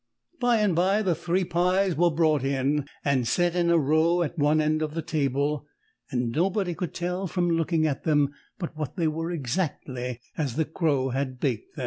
By and by the three pies were brought in and set in a row at one end of the table, and nobody could tell from looking at them but what they were exactly as the Crow had baked them.